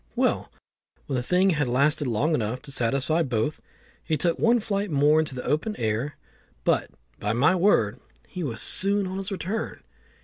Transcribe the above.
Well, when the thing had lasted long enough to satisfy both, he took one flight more into the open air; but by my word he was soon on his return.